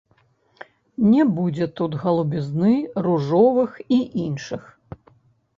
Не будзе тут галубізны, ружовых і іншых.